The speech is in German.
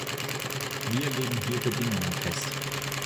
Wir legen hier Bedingungen fest.